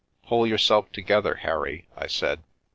"Pull yourself together, Harry!" I said.